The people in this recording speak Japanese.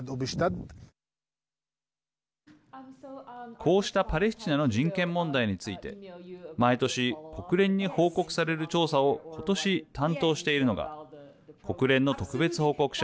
こうしたパレスチナの人権問題について毎年、国連に報告される調査を今年、担当しているのが国連の特別報告者